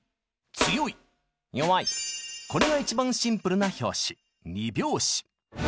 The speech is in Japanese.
これが一番シンプルな拍子２拍子。